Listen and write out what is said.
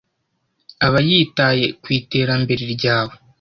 aba yitaye ku iterambere ryawe